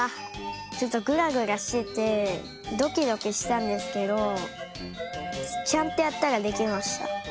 ちょっとグラグラしててドキドキしたんですけどちゃんとやったらできました。